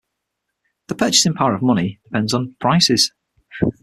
The purchasing power of money depends on prices.